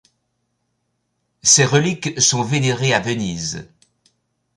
Ses reliques sont vénérées à Venise.